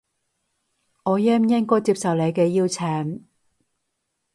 我應唔應該接受你嘅邀請